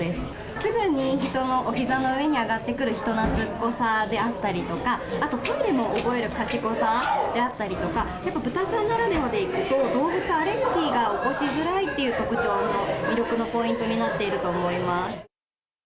すぐに人のおひざの上に上がってくる人なつっこさであったりとか、あとトイレも覚える賢さであったりとか、やっぱりブタさんならではでいうと、動物アレルギーが起こしづらいという特徴も、魅力のポイントになっていると思います。